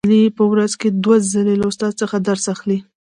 علي په ورځ کې دوه ځلې له استاد څخه درس اخلي.